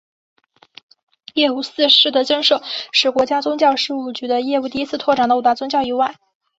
业务四司的增设使国家宗教事务局的业务第一次拓展到五大宗教以外。